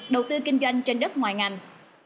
đầu tư kinh doanh trên đất ngoài ngành